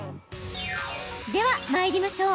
では、まいりましょう。